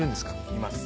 います。